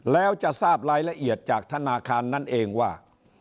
แล้วจะทราบรายละเอียดจากธนาคารนั่นเองว่า